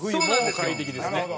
快適ですね。